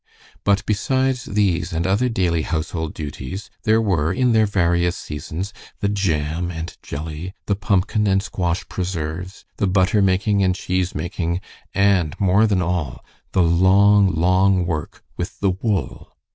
But besides these and other daily household duties there were, in their various seasons, the jam and jelly, the pumpkin and squash preserves, the butter making and cheese making, and more than all, the long, long work with the wool.